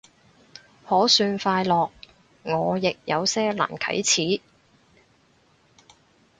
可算快樂，我亦有些難啟齒